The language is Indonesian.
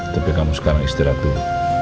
tapi kamu sekarang istirahat tuh